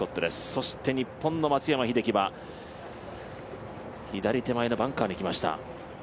そして日本の松山英樹は左手前のバンカーに来ました。